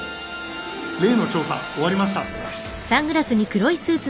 例の調査終わりました。